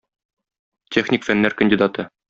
Техник фәннәр кандидаты.